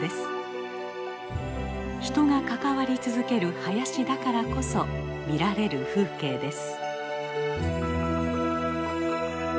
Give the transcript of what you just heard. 人が関わり続ける林だからこそ見られる風景です。